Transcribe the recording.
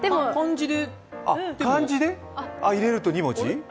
漢字で入れると２文字？